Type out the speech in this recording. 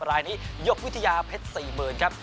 รายนี้ยกวิทยาเพชร๔๐๐๐ครับ